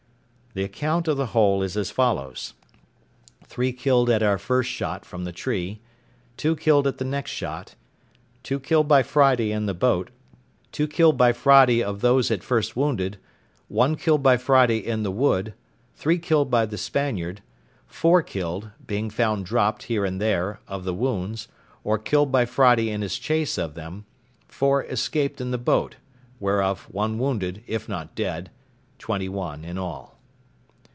The account of the whole is as follows: Three killed at our first shot from the tree; two killed at the next shot; two killed by Friday in the boat; two killed by Friday of those at first wounded; one killed by Friday in the wood; three killed by the Spaniard; four killed, being found dropped here and there, of the wounds, or killed by Friday in his chase of them; four escaped in the boat, whereof one wounded, if not dead—twenty one in all.